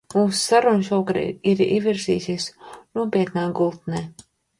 Mūsu saruna šovakar ir ievirzījusies nopietnā gultnē.